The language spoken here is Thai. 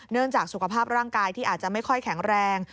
จากสุขภาพร่างกายที่อาจจะไม่ค่อยแข็งแรง